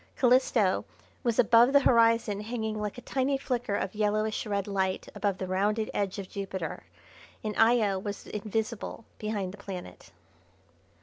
Calisto was above the horizon hanging like a tiny flicker of yellowish red light above the rounded edge of Jupiter, and Io was invisible behind the planet.